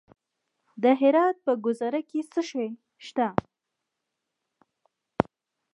د هرات په ګذره کې څه شی شته؟